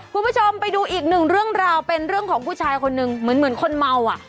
คุณผู้ชมไปดูอีกหนึ่งเรื่องราวเป็นเรื่องของผู้ชายคนหนึ่งเหมือนคนเมาอ่ะ